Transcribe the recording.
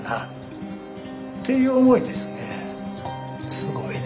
すごいね。